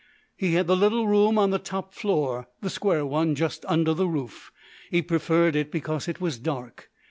He had the little room on the top floor, the square one just under the roof. He preferred it because it was dark.